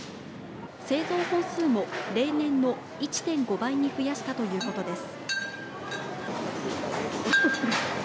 製造本数も例年の１．５倍に増やしたということです。